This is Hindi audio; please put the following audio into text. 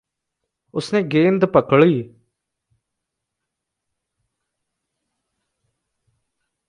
उसने गेंद पकड़ी।